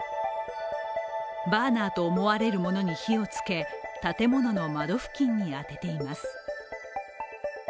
バーナーと思われるものに火をつけ建物の窓付近に当てています。